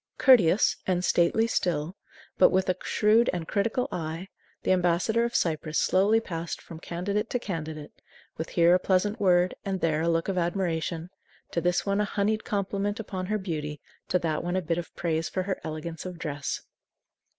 Courteous and stately still, but with a shrewd and critical eye, the ambassador of Cyprus slowly passed from candidate to candidate, with here a pleasant word and there a look of admiration; to this one a honeyed compliment upon her beauty, to that one a bit of praise for her elegance of dress.